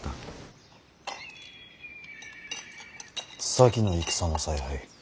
先の戦の采配